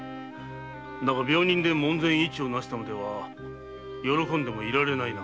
だが病人で門前市をなしたのでは喜んでもいられないな。